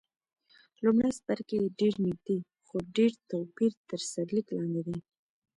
لومړی څپرکی یې ډېر نږدې، خو ډېر توپیر تر سرلیک لاندې دی.